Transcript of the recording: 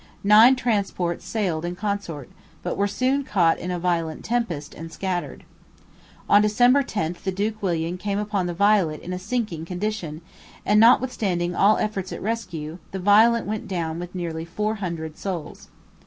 Nine transports sailed in consort, but were soon caught in a violent tempest and scattered. On December 10 the Duke William came upon the Violet in a sinking condition; and notwithstanding all efforts at rescue, the Violet went down with nearly four hundred souls.